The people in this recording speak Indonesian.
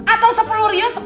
atau sepuluh rius